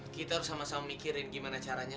kita harus sama sama mikirin gimana caranya